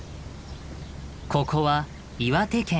ここは岩手県。